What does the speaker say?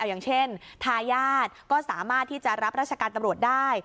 อย่างเช่นทายาทก็สามารถที่จะรับราชการตำรวจได้